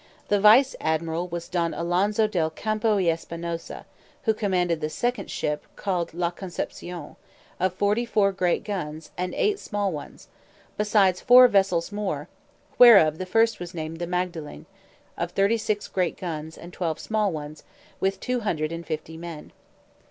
The vice admiral was Don Alonso del Campo y Espinosa, who commanded the second ship called La Conception, of forty four great guns, and eight small ones; besides four vessels more, whereof the first was named the Magdalen, of thirty six great guns, and twelve small ones, with two hundred and fifty men.